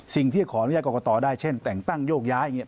สิ่งที่ขออนุญาตกรกตได้เช่นแต่งตั้งโยกย้ายอย่างนี้